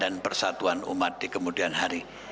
dan persatuan umat di kemudian hari